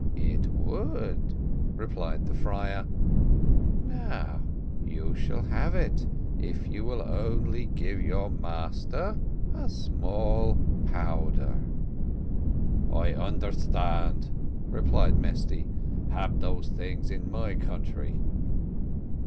"It would," replied the friar; "now you shall have it, if you will only give your master a small powder." "I understand," replied Mesty; "hab those things in my country."